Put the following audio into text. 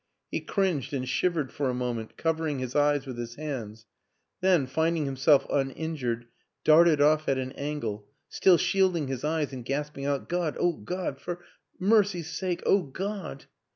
He cringed and shivered for a moment, covering his eyes with his hands; then, finding himself unin jured, darted off at an angle, still shielding his eyes and gasping out, " God, oh God for mercy's sake, oh God